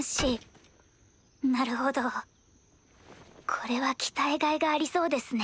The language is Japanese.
これは鍛えがいがありそうですね。